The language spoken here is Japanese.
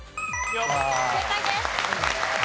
正解です。